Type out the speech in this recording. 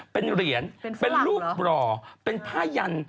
เป็นเหรียญเป็นรูปหล่อเป็นผ้ายัน